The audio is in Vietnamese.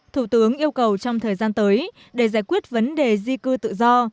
thủ tướng yêu cầu trong thời gian tới để giải quyết vấn đề di cư tự do